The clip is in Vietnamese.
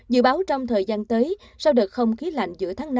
dự báo trong thời gian tới sau đợt không khí lạnh giữa tháng năm